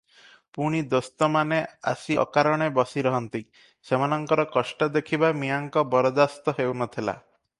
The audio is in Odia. ପୁଣି ଦୋସ୍ତମାନେ ଆସି ଅକାରଣେ ବସି ରହନ୍ତି, ସେମାନଙ୍କର କଷ୍ଟ ଦେଖିବା ମିଆଁଙ୍କ ବରଦାସ୍ତ ହେଉ ନଥିଲା ।